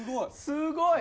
すごい。